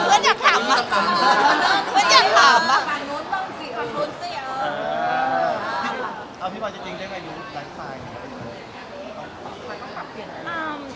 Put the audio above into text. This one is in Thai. ต่อไปต้องกลับเปลี่ยนได้ไหม